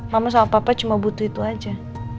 mama sama papa cuma butuh itu aja